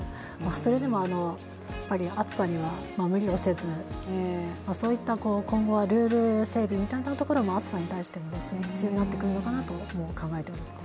それでも暑さには無理をせず、そういった今後はルール整備みたいなところも暑さに対してもですね必要になってくるのかなとも考えています。